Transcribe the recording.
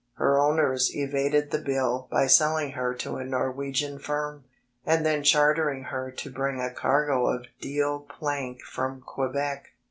Her owners evaded the Bill by selling her to a Norwegian firm, and then chartering her to bring a cargo of deal plank from Quebec.